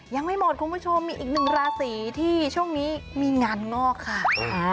ยังไม่หมดคุณผู้ชมมีอีกหนึ่งราศีที่ช่วงนี้มีงานงอกค่ะ